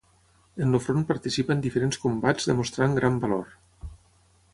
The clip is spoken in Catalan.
En el front participa en diferents combats demostrant gran valor.